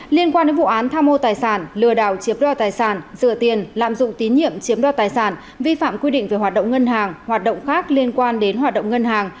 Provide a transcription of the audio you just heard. liên quan đến vụ án tham mô tài sản lừa đảo chiếm đo tài sản rửa tiền lạm dụng tín nhiệm chiếm đo tài sản vi phạm quy định về hoạt động ngân hàng hoạt động khác liên quan đến hoạt động ngân hàng